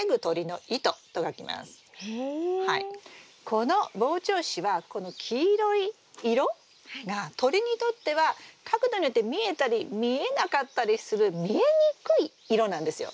この防鳥糸はこの黄色い色が鳥にとっては角度によって見えたり見えなかったりする見えにくい色なんですよ。